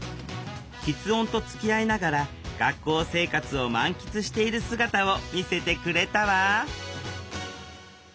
きつ音とつきあいながら学校生活を満喫している姿を見せてくれたわ。